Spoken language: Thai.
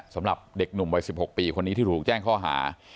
สำหรับเด็กหนุ่มวัย๑๖ปีคนนี้ที่ถูกแจ้งข้อหา